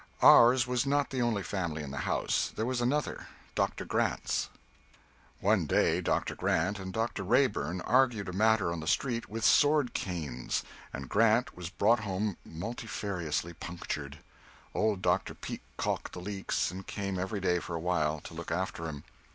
Ours was not the only family in the house, there was another Dr. Grant's. One day Dr. Grant and Dr. Reyburn argued a matter on the street with sword canes, and Grant was brought home multifariously punctured. Old Dr. Peake calked the leaks, and came every day for a while, to look after him.